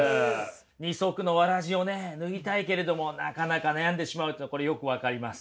二足のわらじをね脱ぎたいけれどもなかなか悩んでしまうっていうのこれよく分かります。